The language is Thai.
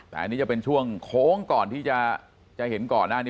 แต่อันนี้จะเป็นช่วงโค้งก่อนที่จะเห็นก่อนหน้านี้